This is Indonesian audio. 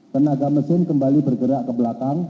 tenaga mesin kembali bergerak ke belakang